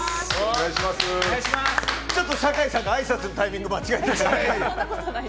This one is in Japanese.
ちょっと酒井さんがあいさつのタイミング間違えてましたけど。